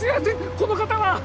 この方は？